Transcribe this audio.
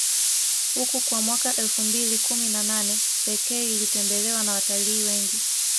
huku kwa mwaka elfu mbili kumi na nane Pekee ilitembelewa na watalii wengi